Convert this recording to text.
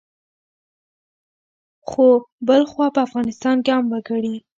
خو بلخوا په افغانستان کې عام وګړي